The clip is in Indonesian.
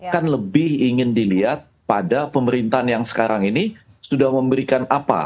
kan lebih ingin dilihat pada pemerintahan yang sekarang ini sudah memberikan apa